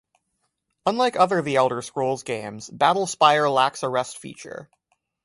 Unlike other "The Elder Scrolls" games, "Battlespire" lacks a rest feature.